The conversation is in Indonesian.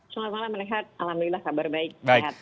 selamat malam alhamdulillah kabar baik